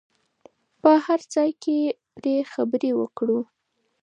په هر ځای کې پرې خبرې وکړو.